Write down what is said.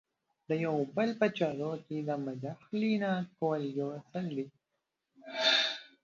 د یو او بل په چارو کې د مداخلې نه کول یو اصل دی.